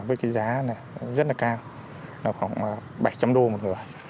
với cái giá này rất là cao nó khoảng bảy trăm đô một người